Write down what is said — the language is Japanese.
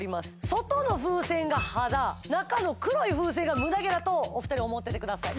外の風船が肌中の黒い風船がムダ毛だとお二人思っててください